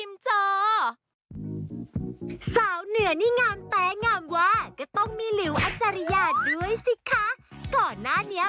โปรดติดตามตอนต่อไป